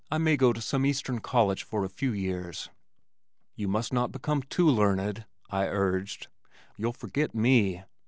"I may go to some eastern college for a few years." "You must not become too learned," I urged. "You'll forget me."